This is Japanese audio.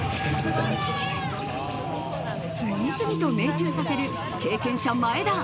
次々と命中させる経験者、前田。